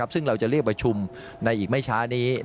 ซึ่งเราจะเรียกประชุมในอีกไม่ช้านี้